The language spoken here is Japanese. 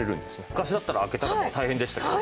昔だったら開けたらもう大変でしたけど。